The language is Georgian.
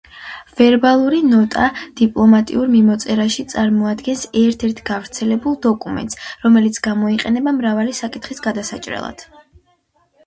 ვერბალური ნოტა დიპლომატიურ მიმოწერაში წარმოადგენს ერთ-ერთ გავრცელებულ დოკუმენტს, რომელიც გამოიყენება მრავალი საკითხის გადასაჭრელად.